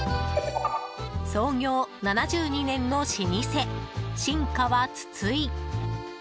創業７２年の老舗、新川津々井。